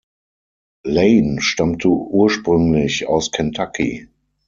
Lane stammte ursprünglich aus Kentucky.